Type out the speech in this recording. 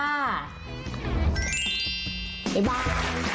บ๊ายบาย